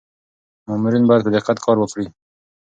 مامورین باید په دقت کار وکړي.